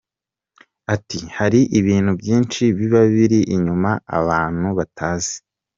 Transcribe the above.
Ati “Hari ibintu byinshi biba biri inyuma abantu batazi.